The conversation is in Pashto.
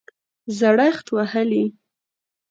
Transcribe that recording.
زړښت وهلی